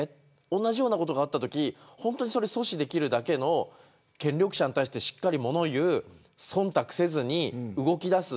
同じようなことがあったとき本当に阻止できるだけの権力者にしっかりものを言う忖度せずに動きだす。